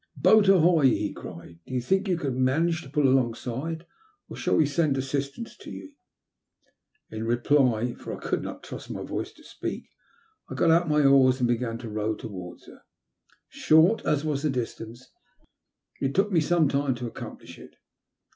Boat, ahoy !" he cried. Do you think you can manage to pull alongside ? or shall we send assistance to you ?" In reply — for I could not trust my voice to speak — I got out my oars, and began to row towards her. Short as was the distance, it took me some time to accomplish it.